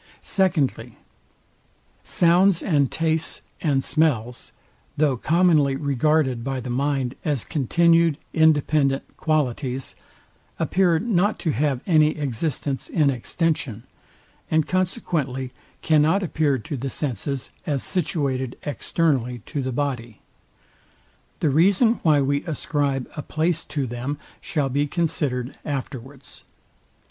Secondly, Sounds, and tastes, and smelts, though commonly regarded by the mind as continued independent qualities, appear not to have any existence in extension, and consequently cannot appear to the senses as situated externally to the body. The reason, why we ascribe a place to them, shall be: considered afterwards.